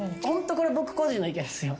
これ僕個人の意見ですよ？